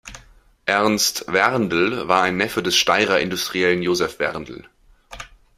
Ernst Werndl war ein Neffe des Steyrer Industriellen Josef Werndl.